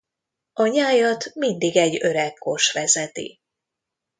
A nyájat mindig egy öreg kos vezeti.